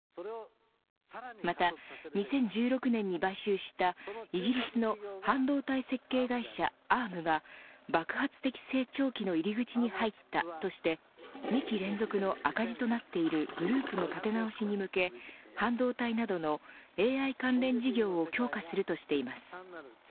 また２０１６年に買収したイギリスの半導体設計会社アームが爆発的成長期の入り口に入ったとして２期連続の赤字となっているグループの立て直しに向け半導体などのＡＩ関連事業を強化するとしています。